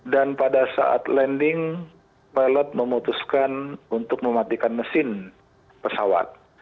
dan pada saat landing pilot memutuskan untuk mematikan mesin pesawat